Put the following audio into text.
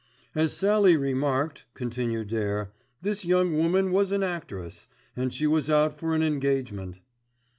"As Sallie remarked," continued Dare, "this young woman was an actress, and she was out for an engagement."